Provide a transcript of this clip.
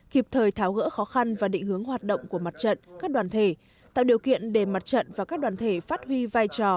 kịp thời tháo gỡ khó khăn và định hướng hoạt động của mặt trận các đoàn thể tạo điều kiện để mặt trận và các đoàn thể phát huy vai trò